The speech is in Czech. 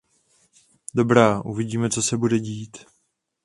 Dobrá, uvidíme, co se bude dít.